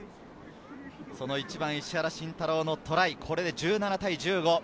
１番・石原慎太郎のトライで１７対１５。